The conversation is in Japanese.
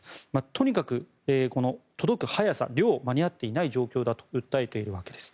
とにかく届く速さ、量が間に合っていない状況だと訴えているわけです。